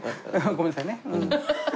ごめんなさいね。